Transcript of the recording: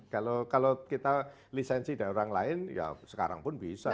kalau kita lisensi dari orang lain ya sekarang pun bisa